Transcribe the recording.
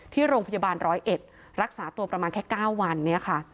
ที่โรงพยาบาลร้อยเอ็ดรักษาตัวประมาณแค่๙วันเนี่ยค่ะ